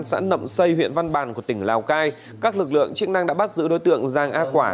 xã nậm xây huyện văn bàn của tỉnh lào cai các lực lượng chức năng đã bắt giữ đối tượng giang a quả